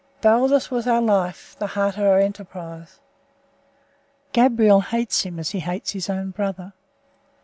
Baldos was our life, the heart of our enterprise. Gabriel hates him as he hates his own brother.